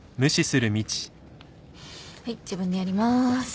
はい自分でやります。